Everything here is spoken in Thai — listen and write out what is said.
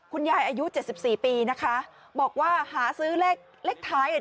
คุณยายอายุ๗๔ปีนะคะบอกว่าหาซื้อเล็กท้าย